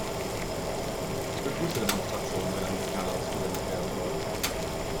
Ich begrüße Demonstrationen, wenn ein Signal ausgesendet werden soll.